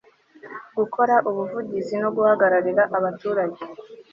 gukora ubuvugizi no guhagararira abaturage